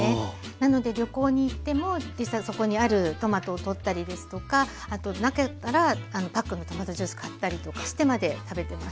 なので旅行に行っても実際そこにあるトマトをとったりですとかあとなかったらパックのトマトジュース買ったりとかしてまで食べてます。